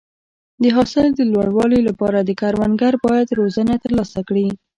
د حاصل د لوړوالي لپاره کروندګر باید روزنه ترلاسه کړي.